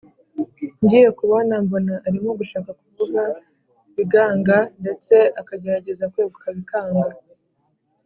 ngiye kubona mbona arimo gushaka kuvuga biganga ndetse akagerageza kweguka bikanga,